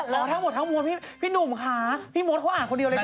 แล้วทั้งหมดทั้งมวลพี่หนุ่มค่ะพี่มดเขาอ่านคนเดียวเลยนะ